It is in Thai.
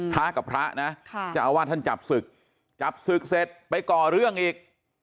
พระกับพระนะเจ้าอาวาสท่านจับศึกจับศึกเสร็จไปก่อเรื่องอีก